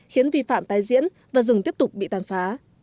khiến vi phạm tái diễn và rừng tiếp tục bị tàn phá